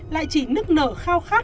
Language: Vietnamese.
lại chỉ nức nở khao khát